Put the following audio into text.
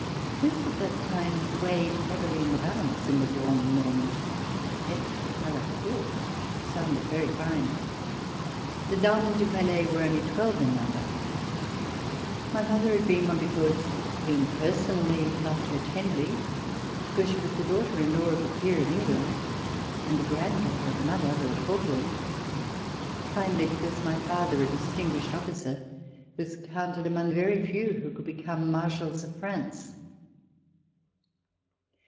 This, at that time, weighed heavily in the balance in the grand monde. Eire a la Cour sounded very fine. The Dames du Palais were only twelve in number. My mother had been one, because the Queen personally loved her tenderly; C32] ;7:;7 • 179H MATRIMONIAL PROJECTS because she was the dauglitcr in la\v of a Peer of England and the granddaughter of another, Lord Falkland; finally, because my father, a distinguished officer, was counted among the very few who could become Marshals of France.